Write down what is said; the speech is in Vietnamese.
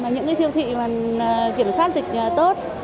những cái siêu thị kiểm soát dịch tốt